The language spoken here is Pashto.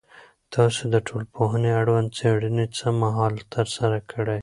تاسو د ټولنپوهنې اړوند څېړنې څه مهال ترسره کړي؟